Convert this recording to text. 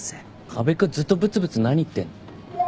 河辺君ずっとブツブツ何言ってんの？